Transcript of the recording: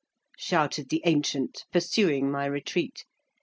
shouted the ancient, pursuing my retreat.